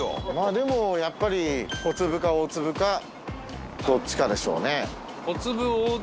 でも、やっぱり小粒か大粒かどっちかでしょうね。